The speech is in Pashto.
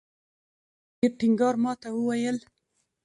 په ډېر ټینګار ماته وویل.